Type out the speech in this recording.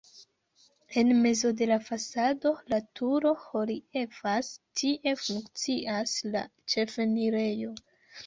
En mezo de la fasado la turo reliefas, tie funkcias la ĉefenirejo.